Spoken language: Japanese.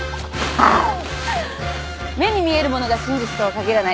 目に見えるものが真実とは限らない。